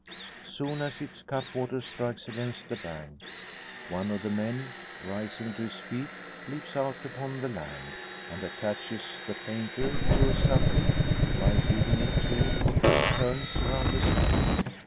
Soon as its cutwater strikes against the bank, one of the men, rising to his feet, leaps out upon the land, and attaches the painter to a sapling, by giving it two or three turns around the stem.